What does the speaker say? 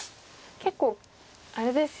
結構あれですよね。